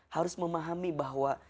harus memahami bahwa